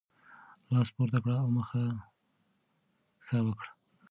لاس پورته کړه او مخه ښه وکړه.